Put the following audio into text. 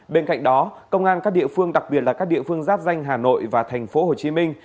bên cạnh đó công an các địa phương đặc biệt là các địa phương giáp danh hà nội và thành phố hồ chí minh